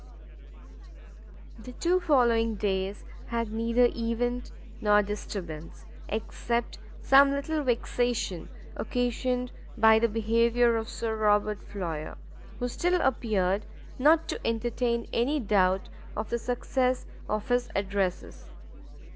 The two following days had neither event nor disturbance, except some little vexation occasioned by the behaviour of Sir Robert Floyer, who still appeared not to entertain any doubt of the success of his addresses.